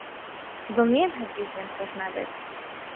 دڵنیام هەرگیز لێم خۆش نابێت.